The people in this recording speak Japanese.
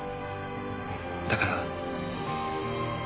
だから。